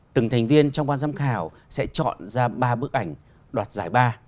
từng thành viên trong ban giám khảo sẽ chọn ra ba bức ảnh đoạt giải ba